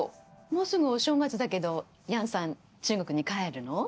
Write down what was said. もうすぐお正月だけど楊さん中国に帰るの？